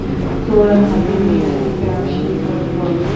তোর হাতি দিয়ে আমাকে আশীর্বাদ কর।